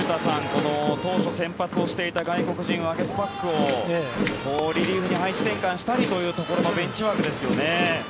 この当初、先発をしていた外国人、ワゲスパックをリリーフに配置転換したりというベンチワークですよね。